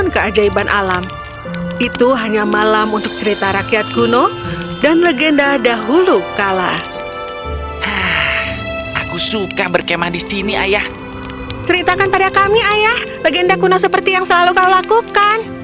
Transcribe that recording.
ceritakan pada kami ayah legenda kuna seperti yang selalu kau lakukan